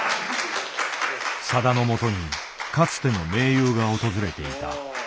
さだのもとにかつての盟友が訪れていた。